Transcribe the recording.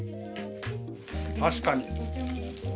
確かに。